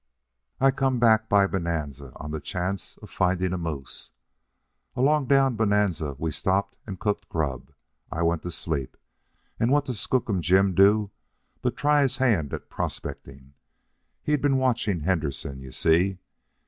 I come back by Bonanza on the chance of finding a moose. Along down Bonanza we stopped and cooked grub. I went to sleep, and what does Skookum Jim do but try his hand at prospecting. He'd been watching Henderson, you see.